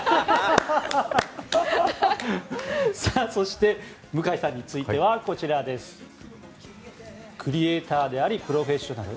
そして向井さんについてはクリエイターでありプロフェッショナル。